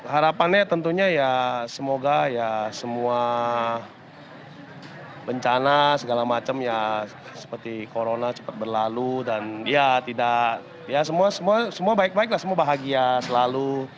harapannya tentunya ya semoga ya semua bencana segala macam ya seperti corona cepat berlalu dan ya tidak ya semua baik baiklah semua bahagia selalu